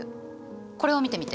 これを見てみて。